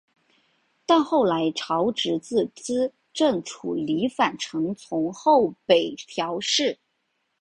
但后来朝直自资正处离反臣从后北条氏。